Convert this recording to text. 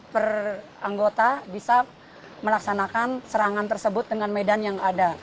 per anggota bisa melaksanakan serangan tersebut dengan medan yang ada